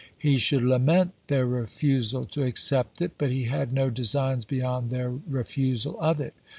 He should lament their refusal to accept it, but he had no designs beyond then refusal of it.